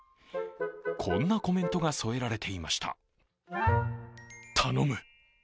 こんなコメントが添えられていました。